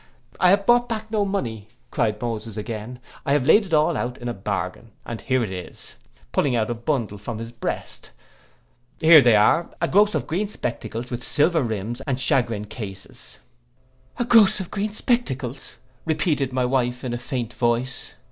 '—'I have brought back no money,' cried Moses again. 'I have laid it all out in a bargain, and here it is,' pulling out a bundle from his breast: 'here they are; a groce of green spectacles, with silver rims and shagreen cases.'—'A groce of green spectacles!' repeated my wife in a faint voice.